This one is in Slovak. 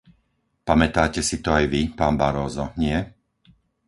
Pamätáte si to aj vy, pán Barroso, nie?